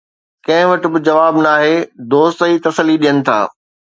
ڪنهن وٽ به جواب ناهي، دوست ئي تسلي ڏين ٿا.